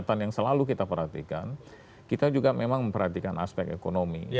yang selalu kita perhatikan kita juga memang memperhatikan aspek ekonomi